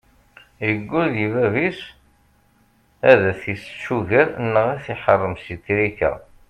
Yeggul deg bab-is ar ad t-issečč ugar neɣ ad t-iḥeṛṛem seg trika.